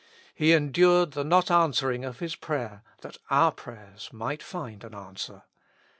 He endured the not answering of His prayer that our prayers might find an answer.